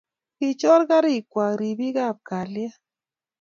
ki chor karik kwak ribiik ab kalyet